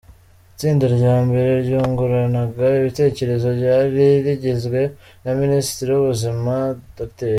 Itsinda rya mbere ryunguranaga ibitekerezo ryari rigizwe na Minisitiri w’Ubuzima Dr.